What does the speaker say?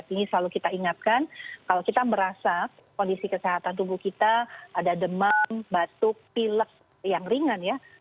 ini selalu kita ingatkan kalau kita merasa kondisi kesehatan tubuh kita ada demam batuk pilek yang ringan ya